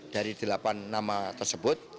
dari delapan nama tersebut